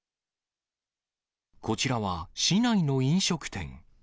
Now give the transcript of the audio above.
こちらは市内の飲食店。